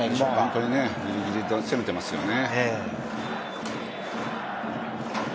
本当にギリギリで攻めてますよね。